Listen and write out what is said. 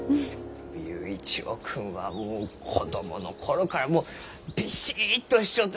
佑一郎君はもう子供の頃からもうビシッとしちょった。